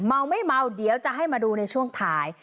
เมาไม่เมาเดี๋ยวจะให้มาดูในช่วงท้าย